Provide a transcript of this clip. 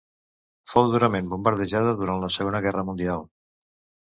Fou durament bombardejada durant la Segona Guerra Mundial.